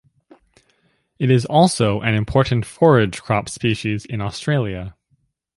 It is also an important forage crop species in Australia.